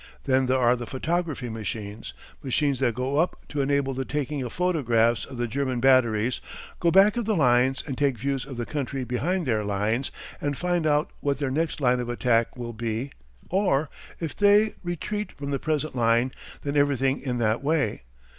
Then there are the photography machines, machines that go up to enable the taking of photographs of the German batteries, go back of the line and take views of the country behind their lines and find out what their next line of attack will be, or, if they retreat from the present line, then everything in that way.